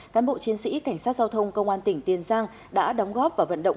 cán bộ chiến sĩ cảnh sát giao thông công an tỉnh tiền giang đã đóng góp và vận động